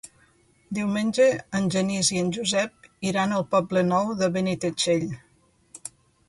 Diumenge en Genís i en Josep iran al Poble Nou de Benitatxell.